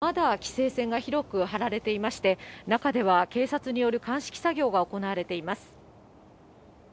現場にはまだ規制線が広く張られていまして、中では警察による鑑識作業が行われています。